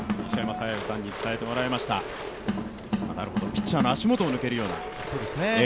なるほど、ピッチャーの足元を抜けるような。